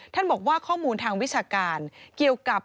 บอกว่าข้อมูลทางวิชาการเกี่ยวกับ